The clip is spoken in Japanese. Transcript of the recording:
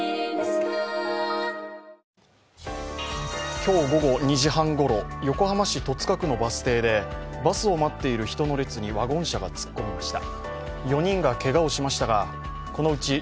今日午後２時半ごろ、横浜市戸塚区のバス停でバスを待っている人の列にワゴン車が突っ込みました。